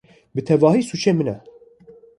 Bi tevahî sûcê min e!